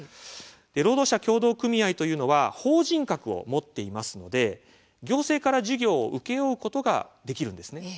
労働者協同組合というのは法人格を持っていますので行政から事業を請け負うことができるんです。